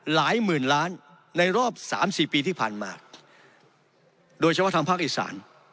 หลายหมื่นล้านในรอบสามสี่ปีที่ผ่านมาโดยเฉพาะทางภาคอีสาน